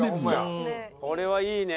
「これはいいね」